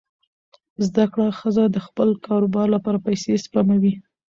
زده کړه ښځه د خپل کاروبار لپاره پیسې سپموي.